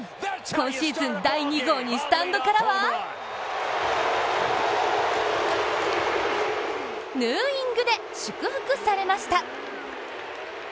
今シーズン第２号にスタンドからはヌーイングで祝福されました。